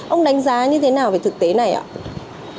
ông đánh giá như thế nào về thực tế này ạ